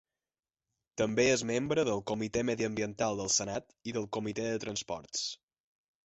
També és membre del comitè mediambiental del Senat i del comitè de transports.